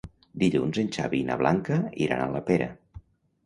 Dilluns en Xavi i na Blanca iran a la Pera.